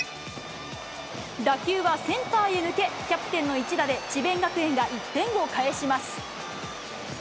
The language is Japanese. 打球はセンターへ抜け、キャプテンの一打で、智弁学園が１点を返します。